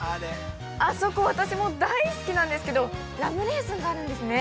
あそこ、私も大好きなんですけどラムレーズンがあるんですね！